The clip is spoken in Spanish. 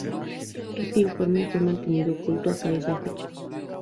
Este informe fue mantenido oculto hasta esa fecha.